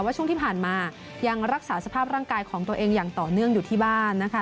ช่วงที่ผ่านมายังรักษาสภาพร่างกายของตัวเองอย่างต่อเนื่องอยู่ที่บ้านนะคะ